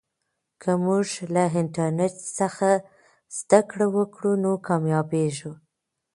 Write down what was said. که موږ له انټرنیټ څخه زده کړه وکړو نو کامیابېږو.